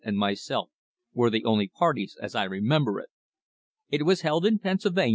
and mvs elf were the only parties as I remember it; it was held in Pennsylvan.